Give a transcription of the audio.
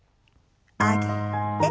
上げて。